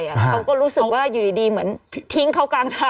เขาก็รู้สึกว่าอยู่ดีเหมือนทิ้งเขากลางทาง